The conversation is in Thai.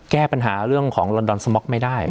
แก้ปัญหาเรื่องของลอนดอนสม็อกไม่ได้